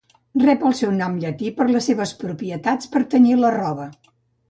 Rep el seu nom llatí per les seves propietats per a tenyir la roba.